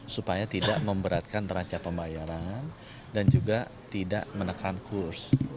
supaya tidak memberatkan teraca pembayaran dan juga tidak menekan kurs